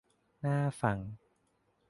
น่าฟัง